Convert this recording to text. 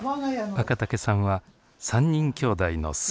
若竹さんは３人きょうだいの末っ子。